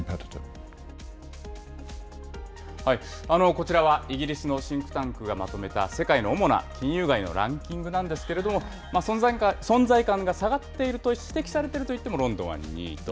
こちらはイギリスのシンクタンクがまとめた世界の主な金融街のランキングなんですけれども、存在感が下がっていると指摘されているといってもロンドンは２位と。